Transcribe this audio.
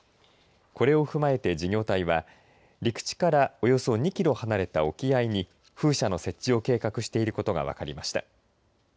これを踏まえて事業体は陸地からおよそ２キロ離れた沖合に風車の設置を計画していることが分かりました。